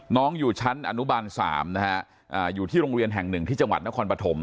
น้องอยู่ชั้นอนุบาล๓นะฮะอยู่ที่โรงเรียนแห่งหนึ่งที่จังหวัดนครปฐม